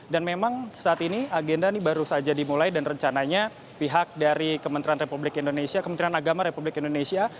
dan memang saat ini agenda ini baru saja dimulai dan rencananya pihak dari kementerian agama republik indonesia